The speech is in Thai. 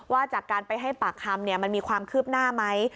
ว่าจากการไปให้ปากคำมันมีความคืบหน้าไหม